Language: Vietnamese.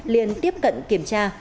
liền tiếp cận kiểm tra